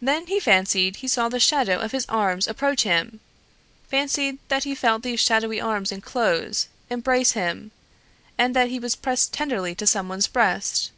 Then he fancied he saw the shadow of his arms approach him fancied that he felt these shadowy arms inclose, embrace him and that he was pressed tenderly to some one's breast.